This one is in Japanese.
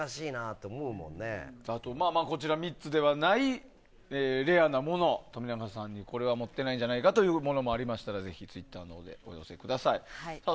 あと、こちら３つではないレアなもの、冨永さんにこれは持っていないんじゃないかというものがありましたら、ぜひツイッターのほうまでお寄せください。